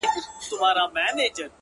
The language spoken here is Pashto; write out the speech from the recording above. درته به وايي ستا د ښاريې سندري’